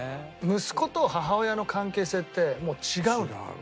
息子と母親の関係性ってもう違うのよ。